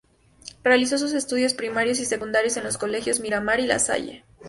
Realizó sus estudios primarios y secundarios en los Colegios Miramar y La Salle.